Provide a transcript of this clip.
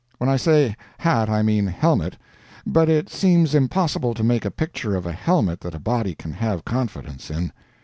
When I say hat I mean helmet; but it seems impossible to make a picture of a helmet that a body can have confidence in.